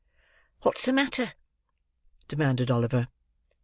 "What's the matter?" demanded Oliver.